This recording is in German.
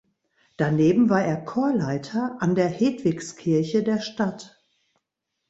Daneben war er Chorleiter an der Hedwigskirche der Stadt.